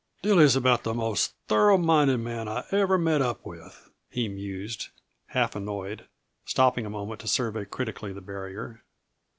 "Dilly's about the most thorough minded man I ever met up with," he mused, half annoyed, stopping a moment to survey critically the barrier.